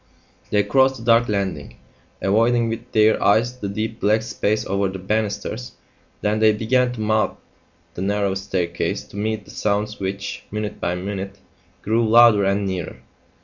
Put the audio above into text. They crossed the dark landing, avoiding with their eyes the deep black space over the banisters. Then they began to mount the narrow staircase to meet the sounds which, minute by minute, grew louder and nearer.